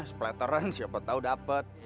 splateran siapa tau dapet